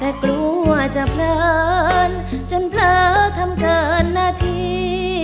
แต่กลัวจะเพลินจนพระทำเกินหน้าที่